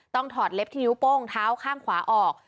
ถอดเล็บที่นิ้วโป้งเท้าข้างขวาออก